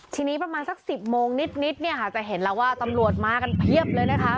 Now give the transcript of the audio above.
ทีนี้ประมาณสัก๑๐โมงนิดเนี่ยค่ะจะเห็นแล้วว่าตำรวจมากันเพียบเลยนะคะ